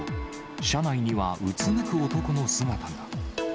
車内にはうつむく男の姿が。